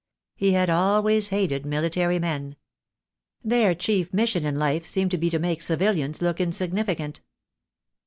He had always hated military men. Their chief mission in life seemed to be to make civilians look insignificant.